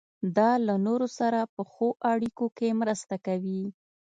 دا له نورو سره په ښو اړیکو کې مرسته کوي.